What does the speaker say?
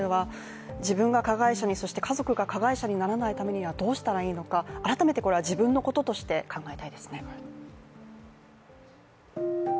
自分が加害者に、そして家族が加害者にならないためにはどうしたらいいのか、改めてこれは自分のこととして考えたいですね。